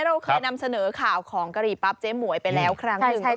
เราเคยนำเสนอข่าวของกะหรี่ปั๊บเจ๊หมวยไปแล้วครั้งหนึ่ง